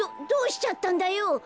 どどうしちゃったんだよ。